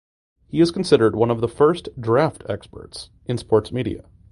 He is considered one of the first "draft experts" in sports media.